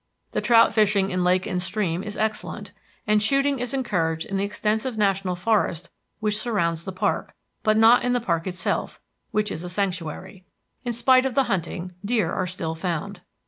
The trout fishing in lake and stream is excellent, and shooting is encouraged in the extensive national forest which surrounds the park, but not in the park itself, which is sanctuary. In spite of the hunting, deer are still found.